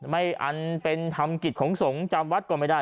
อันเป็นทำกิจของสงฆ์จำวัดก็ไม่ได้